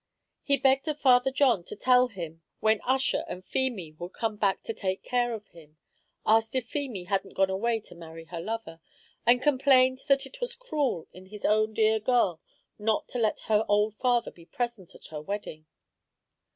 He begged of Father John to tell him when Ussher and Feemy would come back to take care of him; asked if Feemy hadn't gone away to marry her lover; and complained that it was cruel in his own dear girl not to let her old father be present at her wedding.